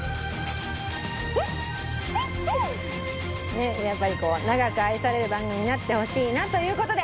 ねっやっぱりこう長く愛される番組になってほしいなという事で。